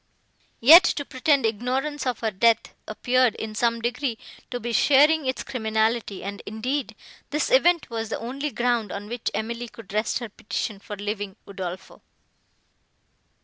Yet, to pretend ignorance of her death, appeared, in some degree, to be sharing its criminality, and, indeed, this event was the only ground, on which Emily could rest her petition for leaving Udolpho.